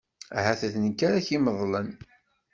Ahat d nekk ara k-imeḍlen.